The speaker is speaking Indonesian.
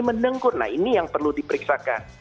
mendengkur nah ini yang perlu diperiksakan